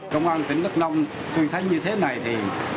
công an tỉnh đắk nông truy thành như thế này thì